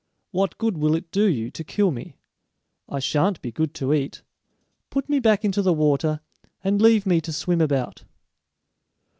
What good will it do you to kill me? I sha'n't be good to eat; put me back into the water, and leave me to swim about."